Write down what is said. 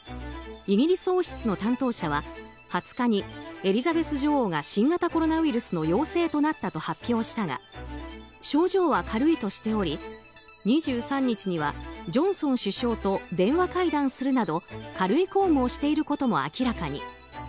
イギリス王室の担当者は２０日にエリザベス女王が新型コロナウイルスの陽性となったと発表したが症状は軽いとしており２３日にはジョンソン首相と電話会談するなど軽い公務をしていることも明らかに。